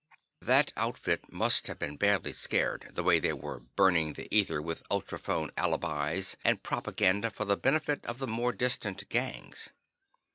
That outfit must have been badly scared, the way they were "burning" the ether with ultrophone alibis and propaganda for the benefit of the more distant gangs.